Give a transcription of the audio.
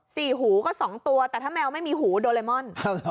สี่หูก็สองตัวแต่ถ้าแมวไม่มีหูโดเรมอน